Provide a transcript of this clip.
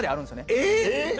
えっ！？